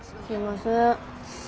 すいません。